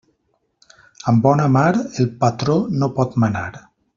Amb bona mar, el patró no pot manar.